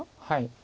はい。